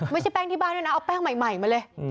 ไม่ใช่แป้งที่บ้านด้วยนะเอาแป้งใหม่มาเลย